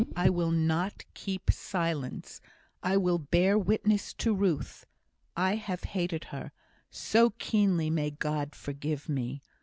I will not keep silence. I will bear witness to Ruth. I have hated her so keenly, may God forgive me!